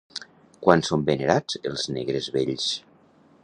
Quan són venerats els Negres vells?